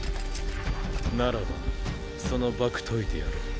ならばその縛解いてやろう。